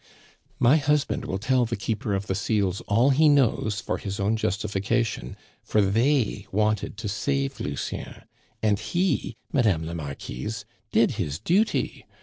"My husband will tell the Keeper of the Seals all he knows for his own justification, for they wanted to save Lucien, and he, Madame la Marquise, did his duty.